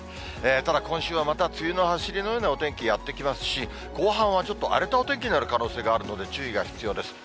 ただ今週はまた梅雨のはしりのようなお天気やって来ますし、後半はちょっと荒れたお天気になる可能性があるので、注意が必要です。